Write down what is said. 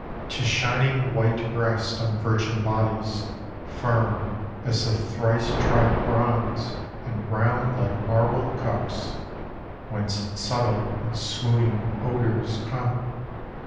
To shining white breasts on virgin bodies. Firm as the thrice tried bronze And round like marble cups. Whence subtle and swooning odours come.